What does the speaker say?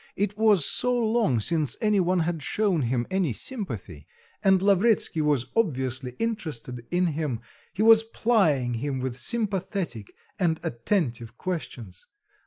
It was so long since any one had shown him any sympathy, and Lavretsky was obviously interested in him, he was plying him with sympathetic and attentive questions.